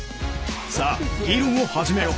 さあ議論を始めよう。